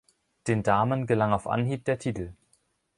Den Damen gelang auf Anhieb der Titel.